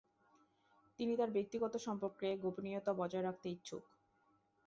তিনি তার ব্যক্তিগত সম্পর্কে গোপনীয়তা বজায় রাখতে ইচ্ছুক।